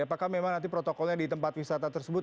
apakah memang nanti protokolnya di tempat wisata tersebut